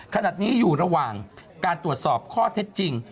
ขณะนี้อยู่ระหว่างการตรวจสอบข้อเท็จจริง